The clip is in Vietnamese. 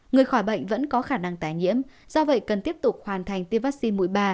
người khỏi bệnh vẫn có khả năng tài nhiễm do vậy cần tiếp tục hoàn thành tiêm vaccine mũi ba